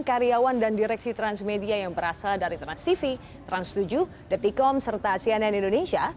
karyawan dan direksi transmedia yang berasal dari transtv trans tujuh detikom serta cnn indonesia